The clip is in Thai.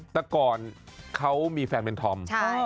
แต่ก่อนเขามีแฟนเป็นธอม